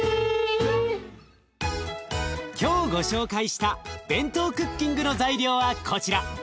今日ご紹介したＢＥＮＴＯクッキングの材料はこちら。